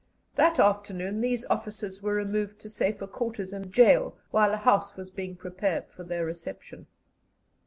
That afternoon these officers were removed to safer quarters in gaol while a house was being prepared for their reception.